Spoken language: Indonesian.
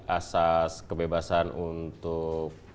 asas kebebasan untuk